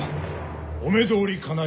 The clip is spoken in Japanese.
お目通りかない